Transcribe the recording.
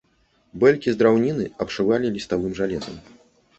Бэлькі з драўніны абшывалі ліставым жалезам.